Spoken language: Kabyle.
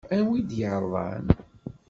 Anwa i d-yeṛḍen?